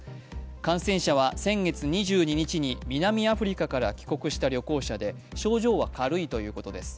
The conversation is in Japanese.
感染者は先月２２日に南アフリカから帰国した旅行者で症状は軽いということです。